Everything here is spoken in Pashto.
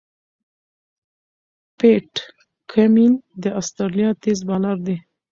پیټ کمېن د استرالیا تېز بالر دئ.